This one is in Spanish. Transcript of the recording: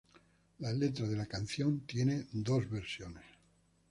La letra de la canción tiene dos versiones.